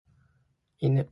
in it